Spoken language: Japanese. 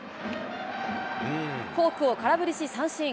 フォークを空振りし、三振。